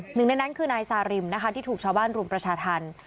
หนึ่งในนั้นคือนายซาริมนะคะที่ถูกชาวบ้านรุมประชาธรรม